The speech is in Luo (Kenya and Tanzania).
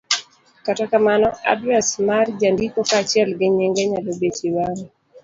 Kata kamano, adres mar jandiko kaachiel gi nyinge nyalo betie bang'e,